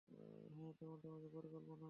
হ্যাঁ, তেমনটাই আমাদের পরিকল্পনা।